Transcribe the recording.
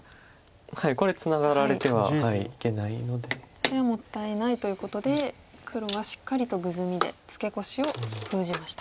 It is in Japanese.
それはもったいないということで黒はしっかりとグズミでツケコシを封じました。